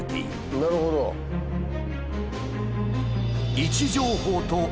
なるほど。